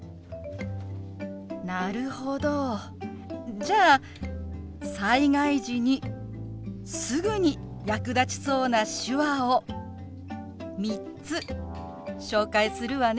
なるほどじゃあ災害時にすぐに役立ちそうな手話を３つ紹介するわね。